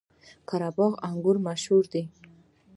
قره باغ انګور مشهور دي؟